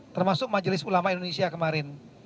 termasuk majelis ulama indonesia kemarin